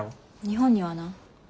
日本にはな。